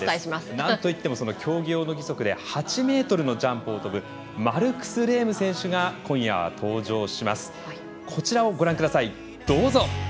なんといっても競技用義足で８ｍのジャンプを跳ぶマルクス・レーム選手が今夜、登場します。